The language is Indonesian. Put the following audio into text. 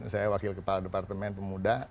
saya wakil kepala departemen pemuda